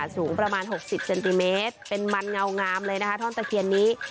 สูงประมาณ๖๐เซนติเมตรเป็นมันเงางามเลยนะคะท่อนตะเคียนนี้